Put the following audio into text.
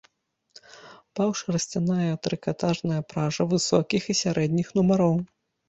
Паўшарсцяная трыкатажная пража высокіх і сярэдніх нумароў.